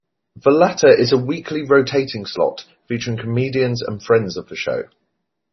The latter is a weekly rotating slot featuring comedians and friends of the show.